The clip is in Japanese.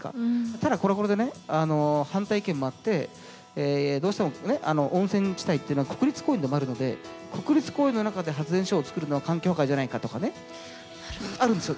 ただこれもこれでね反対意見もあってどうしても温泉地帯っていうのは国立公園でもあるので国立公園の中で発電所を作るのは環境破壊じゃないかとかねあるんですよ。